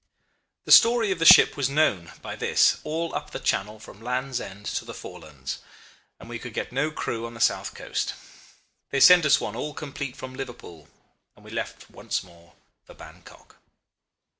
"The story of the ship was known, by this, all up the Channel from Land's End to the Forelands, and we could get no crew on the south coast. They sent us one all complete from Liverpool, and we left once more for Bankok.